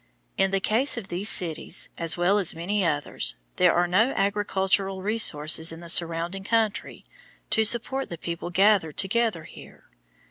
In the case of these cities, as well as many others, there are no agricultural resources in the surrounding country to support the people gathered together here.